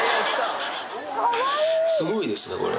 すごいですね、これ。